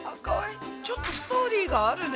ちょっとストーリーがあるね。